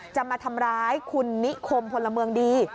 จะมาทำร้ายคุณนิคมพลเมืองดี